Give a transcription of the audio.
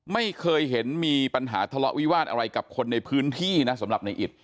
ไม่เคยเห็นมีปัญหาทะเลาะวิวาสอะไรกับคนในพื้นที่นะสำหรับในอิต